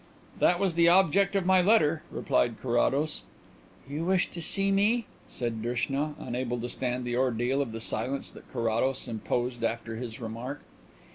"That was the object of my letter," replied Carrados. "You wished to see me?" said Drishna, unable to stand the ordeal of the silence that Carrados imposed after his remark.